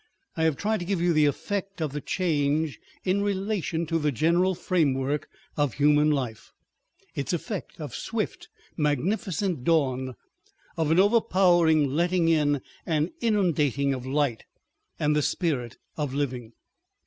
I have tried to give you the effect of the change in relation to the general framework of human life, its effect of swift, magnificent dawn, of an overpowering letting in and inundation of light, and the spirit of living.